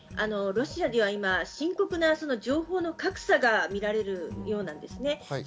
ロシアでは今、深刻な情報の格差が見られるようなんです。